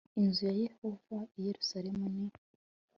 inzu ya Yehova i Yerusalemu n